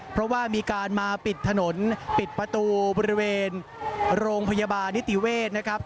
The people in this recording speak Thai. เพราะว่ามีการมาปิดถนนปิดประตูบริเวณโรงพยาบาลนิติเวศนะครับ